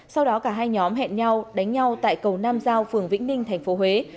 sau đó cả hai nhóm hẹn nhau đánh nhau tại cầu nam giao phường vĩnh ninh thành phố huế